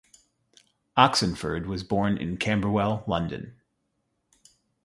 Oxenford was born in Camberwell, London.